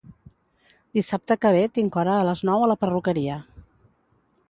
Dissabte que ve tinc hora a les nou a la perruqueria